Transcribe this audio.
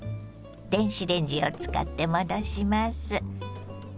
電子レンジを使って戻します。